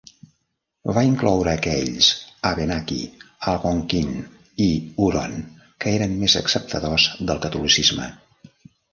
Va incloure aquells Abenaki, Algonquin i Huron que eren més acceptadors del catolicisme.